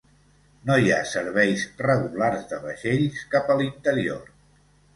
No hi ha serveis regulars de vaixells cap a l'interior.